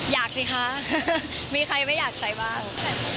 อยากสิคะมีใครไม่อยากใช้บ้าง